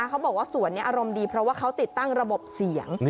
เขาบอกว่าสวนนี้อารมณ์ดีเพราะว่าเขาติดตั้งระบบเสียง